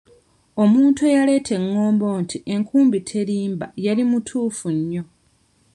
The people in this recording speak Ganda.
"Omuntu eyaleeta engombo nti ""enkumbi terimba"", yali mutuufu nnyo."